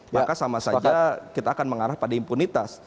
maka sama saja kita akan mengarah pada impunitas